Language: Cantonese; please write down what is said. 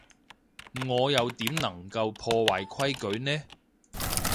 我又點能夠破壞規矩呢？